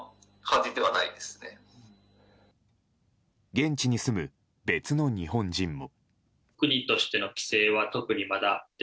現地に住む別の日本人も。